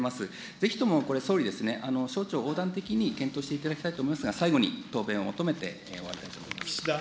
ぜひともこれ、総理ですね、省庁横断的に検討していただきたいと思いますが、最後に答弁を求めて岸田